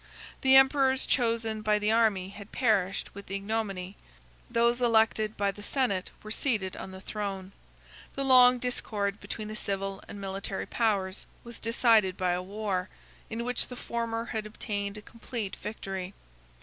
The emperors chosen by the army had perished with ignominy; those elected by the senate were seated on the throne. 42 The long discord between the civil and military powers was decided by a war, in which the former had obtained a complete victory.